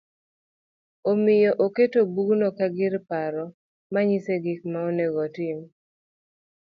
Omiyo oketo bugno ka gir paro ma nyise gik ma onego otim